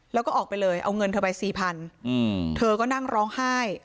แล้วก็ออกไปเลยเอาเงินเธอไปสี่พันเธอก็นั่งร้องไห้